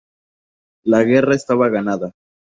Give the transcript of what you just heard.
La guerra estaba ganada.